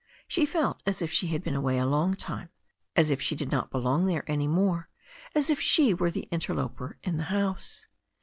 She felt as if she had been away a long time, as if she did not belong there any more, as if she were an interloper in the house.